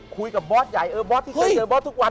บอสใหญ่เออบอสที่เคยเจอบอสทุกวัน